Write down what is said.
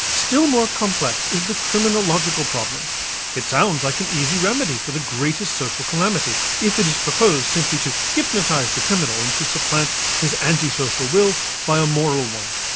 Still more complex is the criminological problem. It sounds like an easy remedy for the greatest social calamity, if it is proposed simply to hypnotize the criminal and to supplant his antisocial will by a moral one.